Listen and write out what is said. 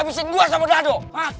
buat gabisin gua sama dado